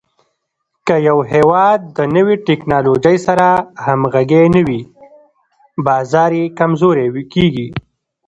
که یو هېواد د نوې ټکنالوژۍ سره همغږی نه وي، بازار یې کمزوری کېږي.